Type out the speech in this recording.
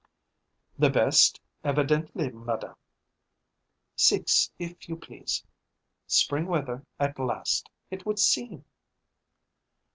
"The best, evidently, madame. Six, if you please. Spring weather at last, it would seem."